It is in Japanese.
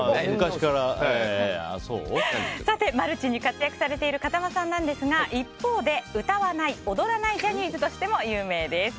マルチに活躍されている風間さんなんですが一方で、歌わない・踊らないジャニーズとしても有名です。